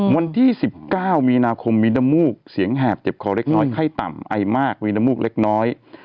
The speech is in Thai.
วันที่๑๙มีนาคมมีน้ำมูกเสียงแหบเจ็บคอเล็กน้อยไข้ต่ำไอมากมีน้ำมูกเล็กน้อย